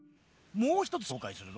もうひとつ紹介するぞ。